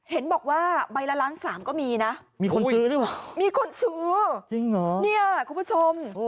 เห็นบอกว่าใบละล้านสามก็มีนะมีคนซื้อจริงหรอคุณผู้ชม